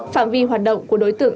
phạm vi hoạt động của đối tượng